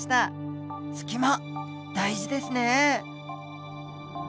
隙間大事ですね！